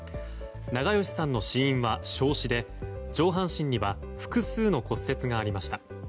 長葭さんの死因は焼死で上半身には複数の骨折がありました。